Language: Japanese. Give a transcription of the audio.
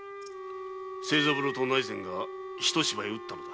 清三郎と内膳が一芝居うったのだ。